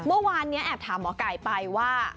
เมื่อวานนี้แอบถามหมอไก่ไปว่า